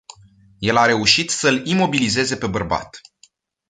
El a reușit să-l imobilizeze pe bărbat.